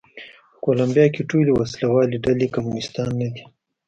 په کولمبیا کې ټولې وسله والې ډلې کمونېستان نه دي.